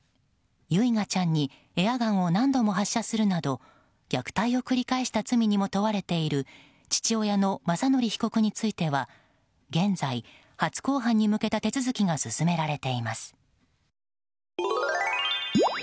唯雅ちゃんにエアガンを何度も発射するなど虐待を繰り返した罪にも問われている父親の雅則被告については現在、初公判に向けた手続きが進められています。